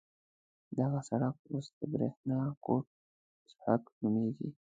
دغه سړک اوس د برېښنا کوټ سړک نومېږي.